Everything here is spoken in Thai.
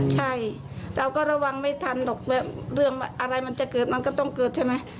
ใช่เราก็ระวังไม่ทันหรอกเรื่องอะไรมันจะเกิดมันก็ต้องเกิดใช่ไหม